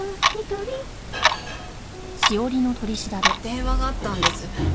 電話があったんです。